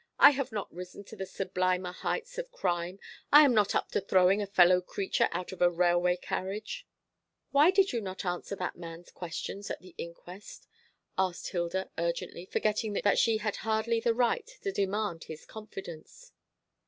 I have not risen to the sublimer heights of crime. I am not up to throwing a fellow creature out of a railway carriage." "Why did you not answer that man's questions at the inquest?" asked Hilda urgently, forgetting that she had hardly the right to demand his confidence.